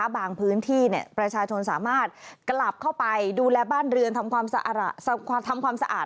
บางพื้นที่ประชาชนสามารถกลับเข้าไปดูแลบ้านเรือนทำความสะอาด